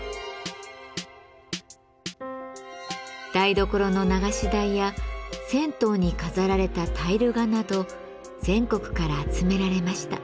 台所の流し台や銭湯に飾られたタイル画など全国から集められました。